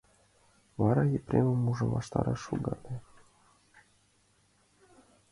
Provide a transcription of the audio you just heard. Вара, Епремым ужын, ваштареш шогале.